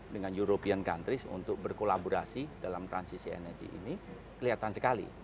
dengan european countries untuk berkolaborasi dalam transisi energi ini kelihatan sekali